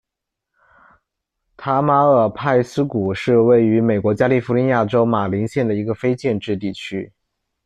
塔马尔派斯谷是位于美国加利福尼亚州马林县的一个非建制地区。